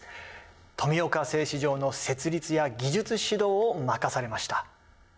富岡製糸場の設立や技術指導を任されました。